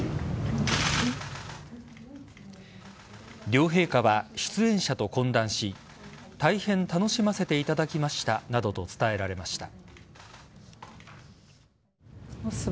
両陛下は、出演者と懇談し大変楽しませていただきましたなどと伝えられました。